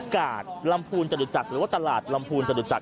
กากลำภูนย์จัดตุจักรหรือว่าตลาดลำภูนย์จัดตุจักร